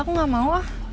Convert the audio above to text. aku gak mau ah